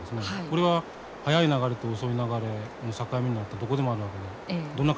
これは速い流れと遅い流れの境目にだったらどこでもあるわけでどんな海峡でもあるわけです。